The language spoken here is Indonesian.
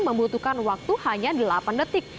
membutuhkan waktu hanya delapan detik